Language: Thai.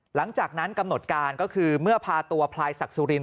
หลังจากนั้นกำหนดการก็คือเมื่อพาตัวพลายศักดิ์สุรินท